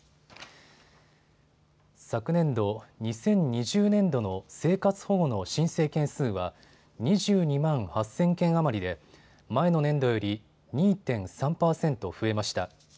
昨年度２０２０年度の生活保護の申請件数は２２万８０００件余りで前の年度より２．３％増えました。